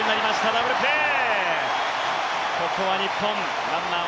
ダブルプレー。